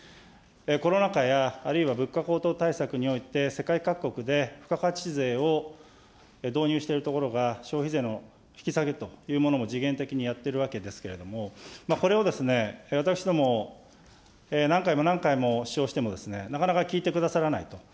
コロナ禍やあるいは物価高騰対策で世界各国で、付加価値税を導入しているところが、消費者税の引き下げというものも時限的にやってるわけですけれども、これを私ども、何回も何回も主張しても、なかなか聞いてくださらないと。